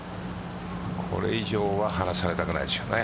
これ以上は離されたくないでしょうね。